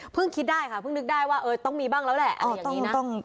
เพิ่งคิดได้ค่ะเพิ่งนึกได้ว่าเออต้องมีบ้างแล้วแหละอะไรอย่างนี้นะ